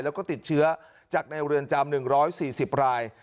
แล้วก็ติดเชื้อจากในเรือนจำหนึ่งร้อยสี่สิบราย